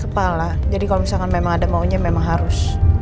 ini salah jadi kalau misalnya memang ada maunya memang harus